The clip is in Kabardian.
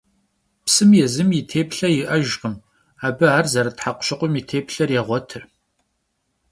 Psım yêzım yi têplhe yi'ejjkhım, abı ar zerıt hekhuşıkhum yi têplher yêğuet.